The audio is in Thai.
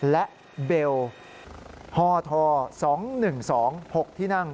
และเบลฮ๒๑๒๖ที่นั่ง